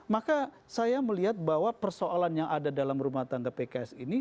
maka saya melihat bahwa persoalan yang ada dalam rumah tangga pks ini